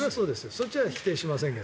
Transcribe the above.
それは否定しませんが。